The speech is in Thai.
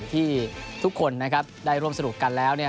ที่ทุกคนนะครับได้ร่วมสรุปกันแล้ว